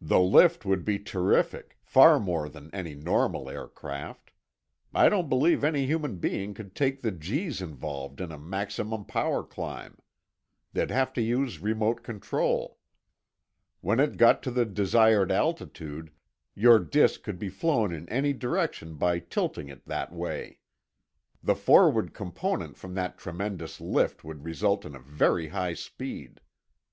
"The lift would be terrific, far more than any normal aircraft. I don't believe any human being could take the G's involved in a maximum power climb; they'd have to use remote control. When it got to the desired altitude, your disk could be flown in any direction by tilting it that way. The forward component from that tremendous lift would result in a very high speed.